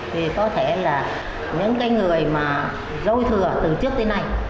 thì có thể là những người mà dối thừa tự trị